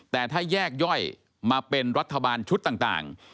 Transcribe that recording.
แต่ถ้าแยกย่อยมาเป็นรัฐบาลชุดต่าง